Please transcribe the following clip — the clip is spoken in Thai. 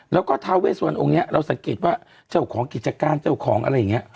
แล้วก็ทาเวสวันองค์นี้เราสังเกตว่าเจ้าของกิจการเจ้าของอะไรอย่างนี้